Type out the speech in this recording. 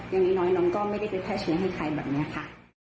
อย่างน้อยน้องก็ไม่ได้ไปแพร่เชื้อให้ใครแบบนี้ค่ะ